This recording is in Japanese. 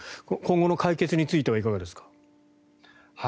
今後の解決についてはいかがですか？